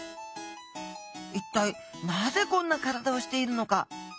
一体なぜこんな体をしているのか？